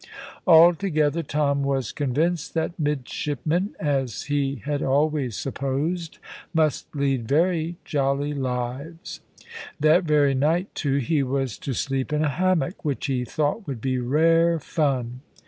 Altogether Tom was convinced that midshipmen, as he had always supposed, must lead very jolly lives. That very night, too, he was to sleep in a hammock, which he thought would be rare fun.